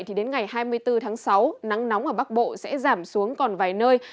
thì đến ngày hai mươi bốn tháng sáu nắng nóng ở bắc bộ sẽ giảm xuống còn vài nơi